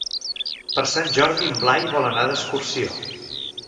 Per Sant Jordi en Blai vol anar d'excursió.